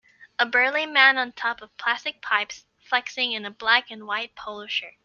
A burly man on top of plastic pipes flexing in a black and white polo shirt.